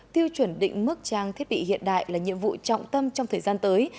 tiêu chuẩn định mức trang thiết bị hiện đại là nhiệm vụ trọng tâm trong thời gian tới